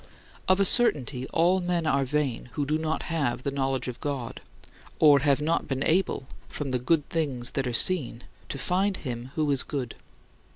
Of a certainty, all men are vain who do not have the knowledge of God, or have not been able, from the good things that are seen, to find him who is good.